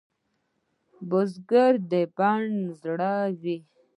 بزګر د بڼ زړه وي